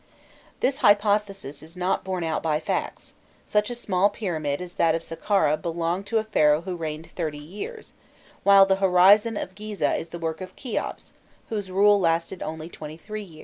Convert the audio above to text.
This hypothesis is not borne out by facts: such a small pyramid as that of Saqqâra belonged to a Pharaoh who reigned thirty years, while "the Horizon" of Gîzeh is the work of Kheops, whose rule lasted only twenty three years.